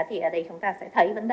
thì ở đây chúng ta sẽ thấy vấn đề